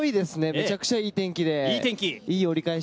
めちゃくちゃいい天気で。